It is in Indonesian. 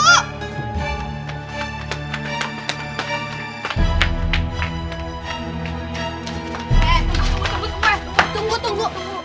eh tunggu tunggu tunggu